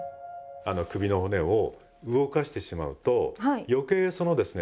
あの首の骨を動かしてしまうと余計そのですね